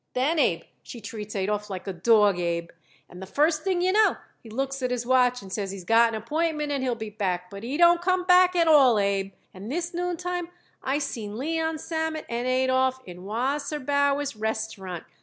Then, Abe, she treats Adolph like a dawg, Abe, and the first thing you know he looks at his watch and says he got an appointment and he'll be back. But he don't come back at all, Abe, and this noontime I seen Leon Sammet and Adolph in Wasserbauer's Restaurant.